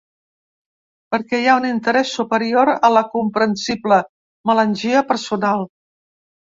Perquè hi ha un interès superior a la comprensible melangia personal.